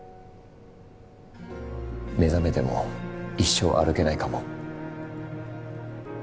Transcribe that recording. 目覚めても一生歩けないかも。